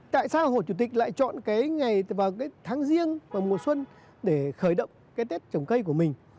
tại sao hồ chủ tịch lại chọn cái ngày vào cái tháng riêng và mùa xuân để khởi động cái tết trồng cây của mình